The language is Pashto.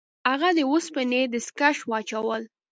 هغه د اوسپنې دستکش واچول.